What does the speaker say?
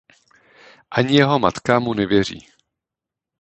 Ani jeho matka mu nevěří.